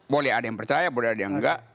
boleh ada yang percaya boleh ada yang enggak